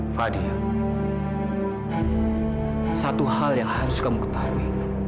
fadil satu hal yang harus kamu ketahui